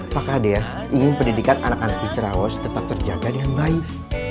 pak kades ingin pendidikan anak anak di cerawas tetap terjaga dengan baik